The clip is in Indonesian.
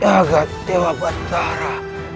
jaga dewa batara